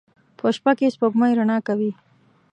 په شپه کې سپوږمۍ رڼا کوي